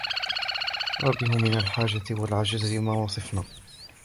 وَبِهِمْ مِنْ الْحَاجَةِ وَالْعَجْزِ مَا وَصَفْنَا